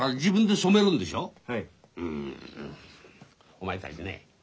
お前たちね